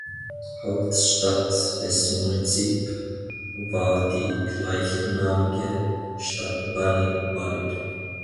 Hauptstadt des Munizip war die gleichnamige Stadt Bani Walid.